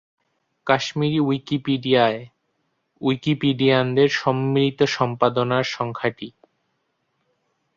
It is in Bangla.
কাশ্মীরি উইকিপিডিয়ায় উইকিপিডিয়ানদের সম্মিলিত সম্পাদনার সংখ্যা টি।